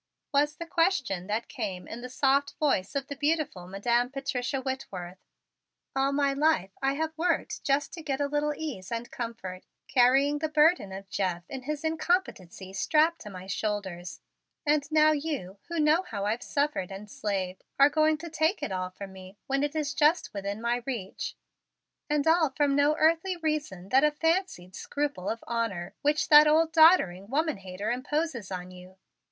was the question that came in the soft voice of the beautiful Madam Patricia Whitworth. "All my life I have worked just to get a little ease and comfort, carrying the burden of Jeff in his incompetency strapped to my shoulders, and now you, who know how I've suffered and slaved, are going to take it all from me when it is just within my reach, and all from no earthly reason than a fancied scruple of honor which that old doddering woman hater imposes on you.